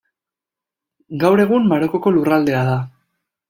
Gaur egun, Marokoko lurraldea da.